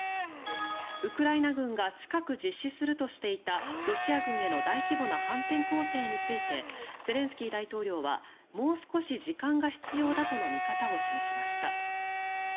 ウクライナ軍が近く実施するとしていたロシア軍への大規模な反転攻勢についてゼレンスキー大統領はもう少し時間が必要だとの見方を示しました。